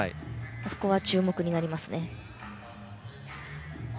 そこは注目になります。